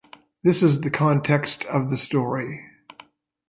This is the context of the story.